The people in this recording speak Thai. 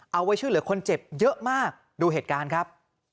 เอาไว้ช่วยเหลือคนเจ็บเยอะมากดูเหตุการณ์ครับ